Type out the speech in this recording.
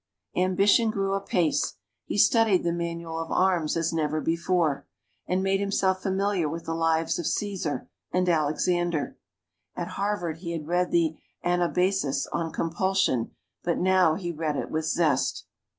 Ambition grew apace; he studied the Manual of Arms as never before, and made himself familiar with the lives of Cæsar and Alexander. At Harvard, he had read the Anabasis on compulsion, but now he read it with zest.